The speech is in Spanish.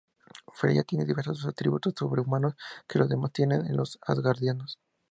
Freya tiene los diversos atributos sobrehumanos que los demás tienen en los Asgardianos.